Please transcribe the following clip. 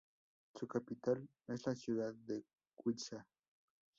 Su capital es la ciudad de Guiza.